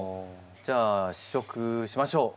じゃあ試食しましょう。